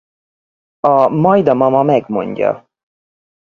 A Majd a mama megmondja!